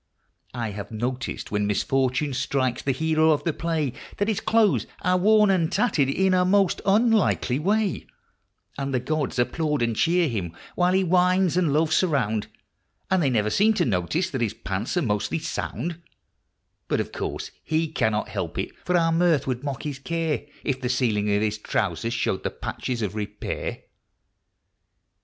I have noticed when misfortune strikes the hero of the play That his clothes are worn and tattered in a most unlikely way ; And the gods applaud and cheer him while he whines and loafs around, But they never seem to notice that his pants are mostly sound ; Yet, of course, he cannot help it, for our mirth would mock his care If the ceiling of his trousers showed the patches of repair.